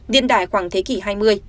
điên đại khoảng thế kỷ hai mươi